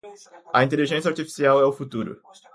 A inteligência artificial é o futuro